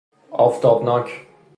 آفتاب ناک